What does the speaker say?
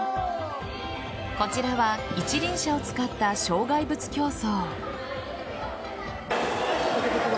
こちらは一輪車を使った障害物競走。